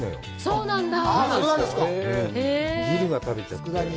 そうなんだ。